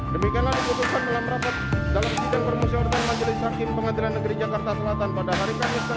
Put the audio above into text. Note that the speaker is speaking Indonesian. demikianlah dibutuhkan dalam rapat dalam bidang permusyawatan majelis hakim pengadilan negeri jakarta selatan pada hari khamis tanggal sembilan februari dua ribu dua puluh tiga